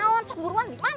kenapa buruan diman